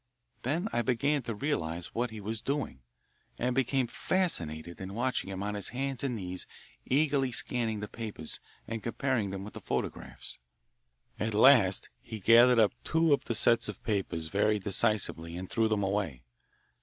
Then I began to realise what he was doing, and became fascinated in watching him on his hands and knees eagerly scanning the papers and comparing them with the photographs. At last he gathered up two of the sets of papers very decisively and threw them away.